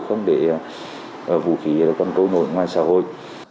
không để vũ khí còn trôi nổi ngoài xã hội